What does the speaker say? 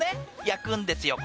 焼くんですよ